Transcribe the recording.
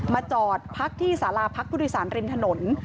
มาจอดพักที่สาลาพักพุทธศาลรินถนน